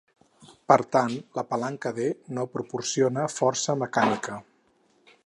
Per tant, la palanca D no proporciona força mecànica.